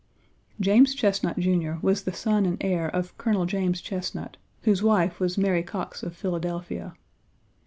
James Chesnut, Jr., was the son and heir of Colonel James Chesnut, whose wife was Mary Coxe, of Philadelphia.